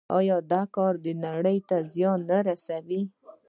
آیا دا کار نړۍ ته زیان نه رسوي؟